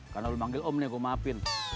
karena lo manggil om nih aku maafin